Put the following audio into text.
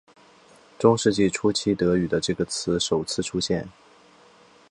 中世纪初期德语这个词首次出现。